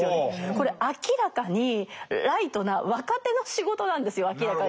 これ明らかにライトな若手の仕事なんですよ明らかに。